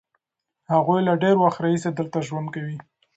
هغوی له ډېر وخت راهیسې دلته ژوند کوي.